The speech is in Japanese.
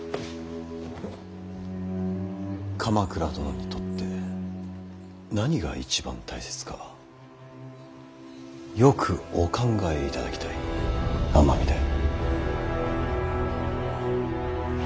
鎌倉殿にとって何が一番大切かよくお考えいただきたい尼御台。